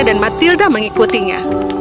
dan matilda mengikutinya